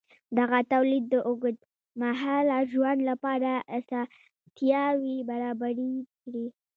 دغه تولید د اوږدمهاله ژوند لپاره اسانتیاوې برابرې کړې.